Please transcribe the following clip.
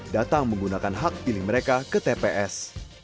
datang menggunakan hak pilih mereka ke tps